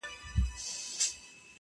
• سړی خوښ دی چي په لوړ قېمت خرڅېږي,